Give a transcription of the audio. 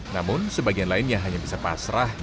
namun sebagian lainnya hanya bisa pasrah